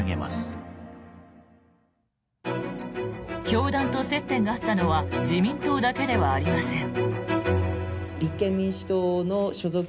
教団と接点があったのは自民党だけではありません。